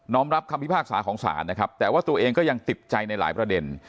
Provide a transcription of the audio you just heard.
รับคำพิพากษาของศาลนะครับแต่ว่าตัวเองก็ยังติดใจในหลายประเด็น